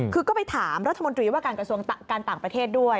คือก็ไปถามรัฐมนตรีว่าการกระทรวงการต่างประเทศด้วย